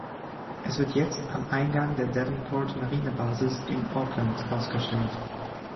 Es wird jetzt am Eingang der Devonport Marinebasis in Auckland ausgestellt.